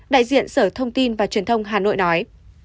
đại diện sở thông tin và truyền thông hà nội nói